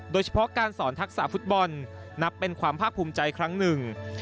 โดยเฉพาะการสอนทักษะฟุตบอลนับเป็นความภาคภูมิใจครั้งหนึ่ง